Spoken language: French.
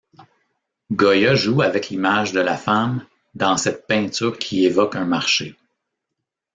Goya joue avec l'image de la femme dans cette peinture qui évoque un marché.